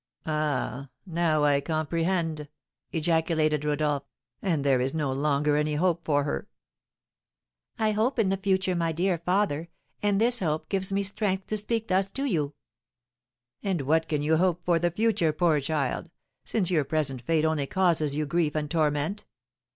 "Ah, now I comprehend!" ejaculated Rodolph, "and there is no longer any hope for her." "I hope in the future, my dear father, and this hope gives me strength to speak thus to you." "And what can you hope for the future, poor child, since your present fate only causes you grief and torment?"